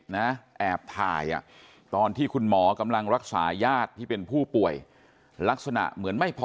เหตุการณ์ที่เกิดขึ้นครับ